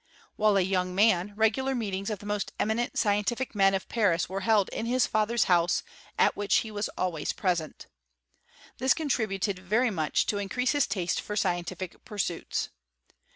While a young man, regular meetings, of the most eminent scientific men of Paris were held in his father's house, at which he was always presents Tliis contributed very much to increase his taste foE scientific pursuits.